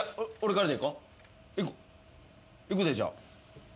いくでじゃあ。